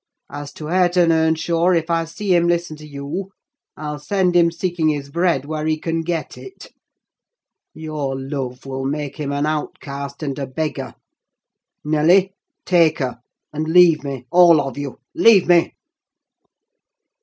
As to Hareton Earnshaw, if I see him listen to you, I'll send him seeking his bread where he can get it! Your love will make him an outcast and a beggar. Nelly, take her; and leave me, all of you! Leave me!"